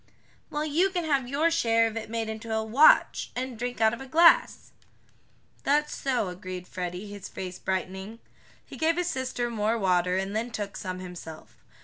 "Well, you can have your share of it made into a watch, and drink out of a glass." "That's so," agreed Freddie, his face brightening. He gave his sister more water, and then took some himself.